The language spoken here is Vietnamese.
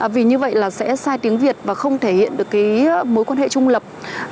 vì như vậy là sẽ sai tiếng việt và không thể hiện được cái mối quan hệ trung lập